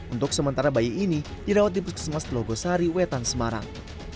untuk sementara bayi ini dirawat di puskesmas telogosari wetan semarang